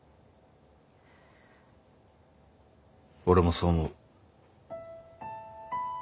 俺もそう思う。